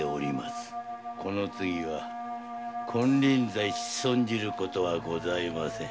この次は金輪際仕損じることはございません。